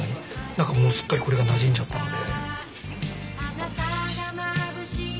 何かもうすっかりこれがなじんじゃったので。